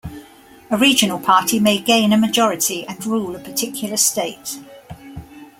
A regional party may gain a majority and rule a particular state.